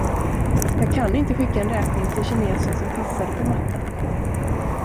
Jag kan inte skicka en räkning till kinesen som pissade på mattan.